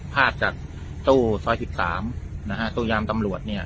พลาดจากตู้ซอยสิบสามนะฮะตู้ยามตำรวจเนี้ย